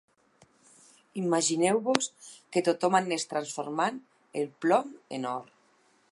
Imagineu-vos que tothom anés transformant el plom en or.